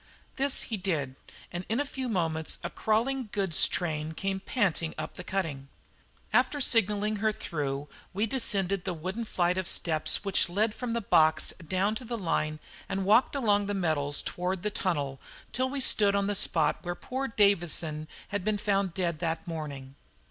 This he did, and in a few moments a crawling goods train came panting up the cutting. After signalling her through we descended the wooden flight of steps which led from the box down to the line and walked along the metals towards the tunnel till we stood on the spot where poor Davidson had been found dead that morning.